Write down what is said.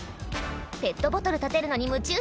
ペットボトル立てるのに夢中じゃん